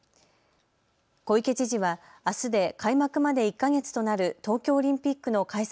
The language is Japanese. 小池知事は、あすで開幕まで１か月となる東京オリンピックの開催